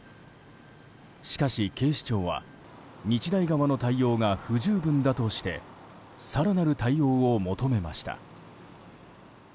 しかし警視庁は日大側の対応が不十分だとして更なる対応を求めました。